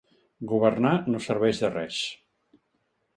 Governar no serveix de res.